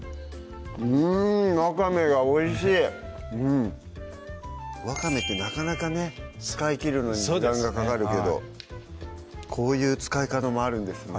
うんわかめがおいしいうんわかめってなかなかね使い切るのに時間がかかるけどこういう使い方もあるんですね